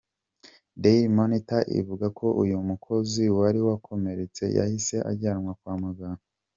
Daily Monitor ivuga ko uyu mukozi wari wakomeretse yahise ajyanwa kwa muganga.